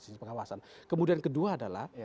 sisi pengawasan kemudian kedua adalah